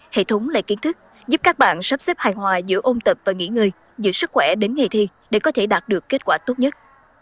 hệ thống lệ kiến thức giúp các bạn sắp xếp hài hòa giữa ôn tập và nghỉ ngơi giữ sức khỏe đến ngày thi để có thể đạt được kết quả tốt nhất